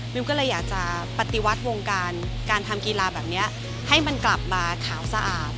ก็เลยอยากจะปฏิวัติวงการการทำกีฬาแบบนี้ให้มันกลับมาขาวสะอาด